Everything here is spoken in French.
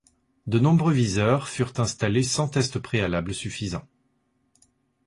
De nombreux viseurs furent installés sans tests préalables suffisants.